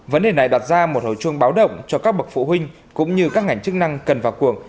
vấn đề này đặt ra một hồi chuông báo động cho các bậc phụ huynh cũng như các ngành chức năng cần vào cuộc